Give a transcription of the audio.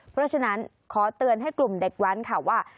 เพราะฉะนั้นขอเตือนให้กลุ่มเด็กแว้นค่ะว่า